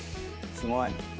すごい。